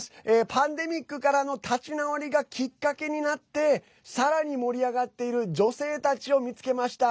パンデミックからの立ち直りがきっかけになってさらに盛り上がっている女性たちを見つけました。